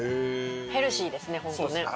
ヘルシーですね本当ね。